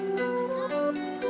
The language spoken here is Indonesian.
kita mulai mencari ikan